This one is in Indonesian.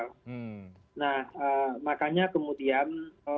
nah makanya kemudian